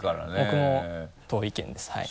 僕も同意見ですはい。